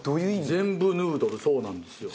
ゼンブヌードルそうなんですよ。